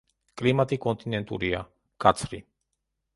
კლიმატი კონტინენტურია, მკაცრი.